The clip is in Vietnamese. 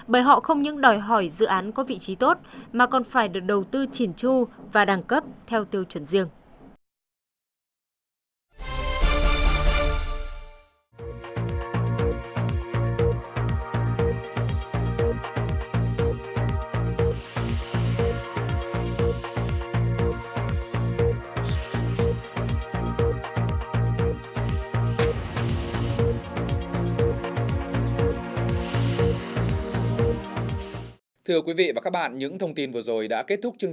bởi họ không những đòi hỏi dự án có vị trí tốt mà còn phải được đầu tư chỉn chu và đẳng cấp theo tiêu chuẩn riêng